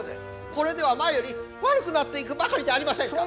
これでは前より悪くなっていくばかりじゃありませんか。